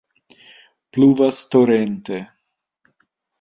Pluvas torente.